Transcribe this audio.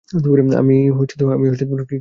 আমি কিচ্ছু করছিলাম না।